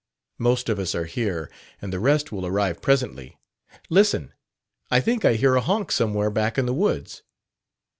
"Most of us are here, and the rest will arrive presently. Listen. I think I hear a honk somewhere back in the woods."